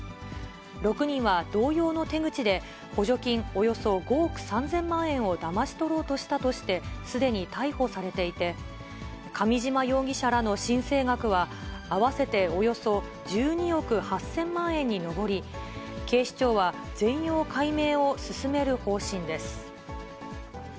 ６人は同様の手口で、補助金およそ５億３０００万円をだまし取ろうとしたとして、すでに逮捕されていて、上嶋容疑者らの申請額は合わせておよそ１２億８０００万円に上り、警視庁は全容解明を進める方針です。